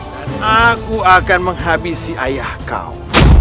dan aku akan menghabisi ayah kau